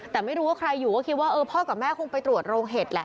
แต่ไม่รู้ว่าใครอยู่ก็คิดว่าเออพ่อกับแม่คงไปตรวจโรงเห็ดแหละ